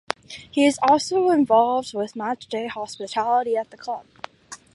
He is also involved with matchday hospitality at the club.